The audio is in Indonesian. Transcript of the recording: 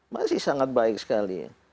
masih sangat baik sekali